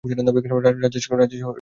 Rajesh Kumar Sharma.